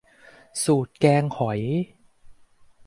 หก สูตรแกงหอย